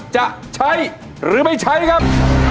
จะใช้หรือไม่ใช้ครับ